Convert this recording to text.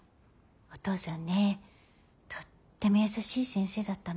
お父さんねとっても優しい先生だったの。